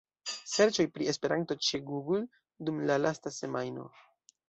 Serĉoj pri “Esperanto” ĉe Google dum la lasta semajno.